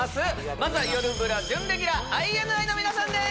まずはよるブラ準レギュラーＩＮＩの皆さんです